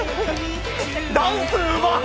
ダンス、うまっ。